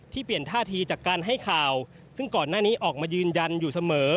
เปลี่ยนท่าทีจากการให้ข่าวซึ่งก่อนหน้านี้ออกมายืนยันอยู่เสมอ